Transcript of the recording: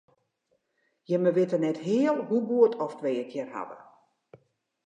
Jimme witte net heal hoe goed oft wy it hjir hawwe.